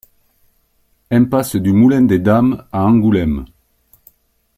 Impasse du Moulin des Dames à Angoulême